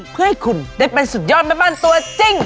เพื่อให้คุณได้เป็นสุดยอดแม่บ้านตัวจริง